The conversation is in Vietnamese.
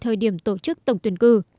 thời điểm tổ chức tổng tuyển cử